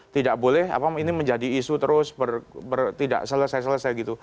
tidak boleh menjadi isu terus tidak selesai selesai